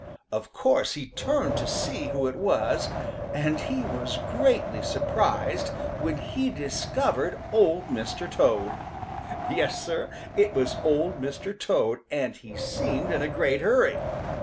Of course he turned to see who it was, and he was greatly surprised when he discovered Old Mr. Toad. Yes, Sir, it was Old Mr. Toad, and he seemed in a great hurry.